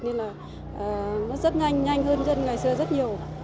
nên là nó rất nhanh nhanh hơn dân ngày xưa rất nhiều